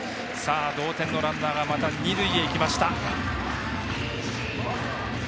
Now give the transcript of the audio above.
同点のランナーがまた二塁へ行きました。